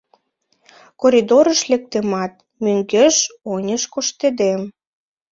Коридорыш лектымат, мӧҥгеш-оньыш коштедем.